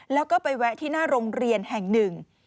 แล้วก็ไปแวะที่หน้าโรงเรียนแห่งหนึ่ง